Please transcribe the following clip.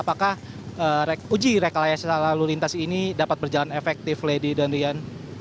maka uji reklaya selalu lintas ini dapat berjalan efektif lady dan rian